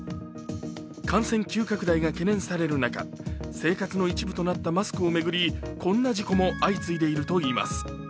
感染急拡大が懸念される中生活の一部となったマスクを巡りこんな事故も相次いでいるといいます。